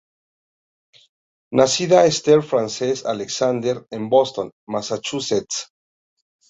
Nacida Esther Frances Alexander en Boston, Massachusetts.